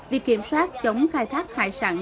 việc kiểm soát chống khai thác hải sản